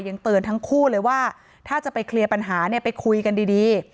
ยังเตือนทั้งคู่เลยว่าถ้าจะไปเคลียร์ปัญหาเนี่ยไปคุยกันดี